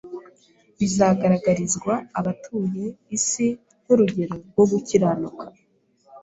bizagaragarizwa abatuye isi nk’urugero rwo gukiranuka.